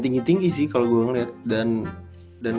tinggi tinggi sih kalau gue ngeliat dan